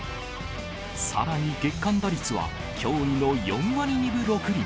さらに月間打率は驚異の４割２分６厘。